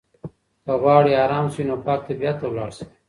که غواړې ارام شې نو پاک طبیعت ته لاړ شه.